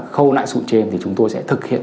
khâu lại sụn trên thì chúng tôi sẽ thực hiện